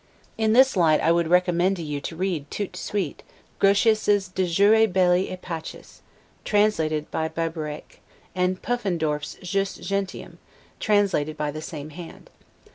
In this light I would recommend to you to read 'tout de suite' Grotius 'de Jure Belli et Pacis', translated by Barbeyrac, and Puffendorff's 'Jus Gentium', translated by the same hand.